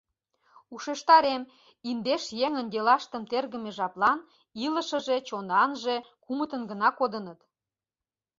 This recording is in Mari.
Ушештарем: индеш еҥын делаштым тергыме жаплан илышыже, чонанже кумытын гына кодыныт.